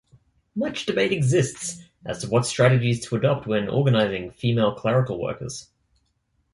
Much debate exists as to what strategies to adopt when organizing female clerical workers.